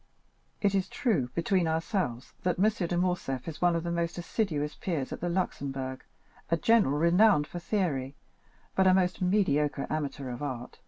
It is true, between ourselves, that M. de Morcerf is one of the most assiduous peers at the Luxembourg, a general renowned for theory, but a most mediocre amateur of art.